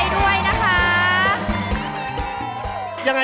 ดีใจด้วยนะคะ